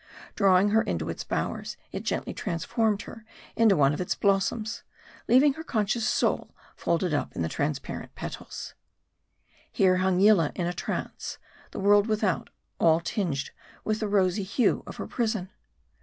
Drawing her into its bowers, it gently transformed her into one of its blossoms, leaving her con scious soul folded up in the transparent petals. 166 MARDI. Here hung Yillah in a trance, the world without all tinged with the rosy hue of her prison.